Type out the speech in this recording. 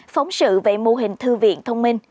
phóng sự về mô hình thư viện thông minh